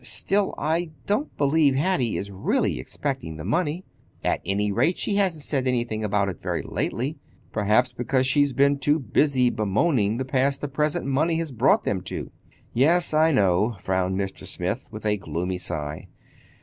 Still, I don't believe Hattie is really expecting the money. At any rate, she hasn't said anything about it very lately—perhaps because she's been too busy bemoaning the pass the present money has brought them to." "Yes, I know," frowned Mr. Smith, with a gloomy sigh.